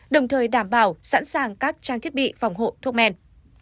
đồng thời đảm bảo sẵn sàng các trang thiết bị phòng hộ thuốc men